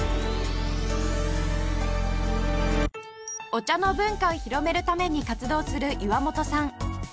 お茶の文化を広めるために活動する岩本さん。